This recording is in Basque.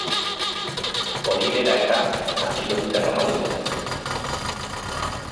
Hori dela eta, atxilotuta eraman dute.